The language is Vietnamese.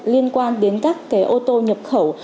liên quan đến các cái ô tô nhập khẩu